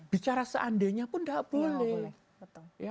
bicara seandainya pun tidak boleh